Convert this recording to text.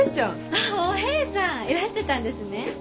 あっおえいさんいらしてたんですね！